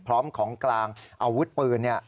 พร้อมของกลางอาวุธปืน